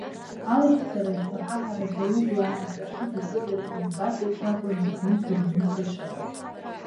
Алашьцара жәпаҳаҳараӡа, убла аҵәыршы ҭакызар иум-бартә еиԥш акәын авагонқәа рыҩнуҵҟа ишыҟаз.